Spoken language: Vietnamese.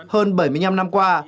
hơn bảy mươi năm năm qua